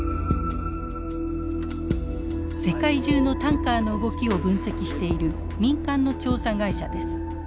世界中のタンカーの動きを分析している民間の調査会社です。